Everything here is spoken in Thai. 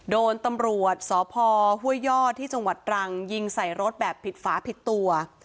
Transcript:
โดนตำรวจสพห้วยยอดที่จังหวัดตรังยิงใส่รถแบบผิดฝาผิดตัว